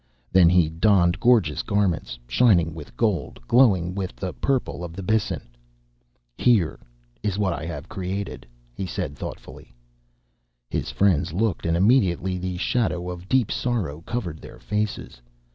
Then he donned gorgeous garments, shining with gold, glowing with the purple of the byssin. "Here is what I have created," he said thoughtfully. His friends looked, and immediately the shadow of deep sorrow covered their faces.